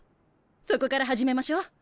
そこから始めましょ。